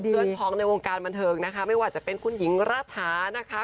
เพื่อนพ้องในวงการบันเทิงนะคะไม่ว่าจะเป็นคุณหญิงรัฐานะคะ